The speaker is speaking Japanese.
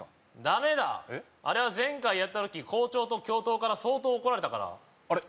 ダメだあれは前回やった時校長と教頭から相当怒られたからあれ？